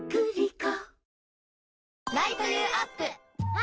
あ！